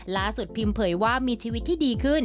ล่าสุดพิมพ์เผยว่ามีชีวิตที่ดีขึ้น